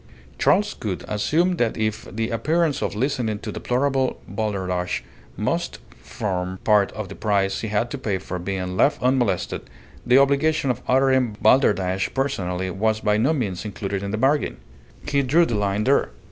Charles Gould assumed that if the appearance of listening to deplorable balderdash must form part of the price he had to pay for being left unmolested, the obligation of uttering balderdash personally was by no means included in the bargain. He drew the line there.